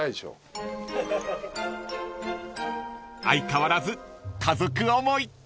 ［相変わらず家族思い］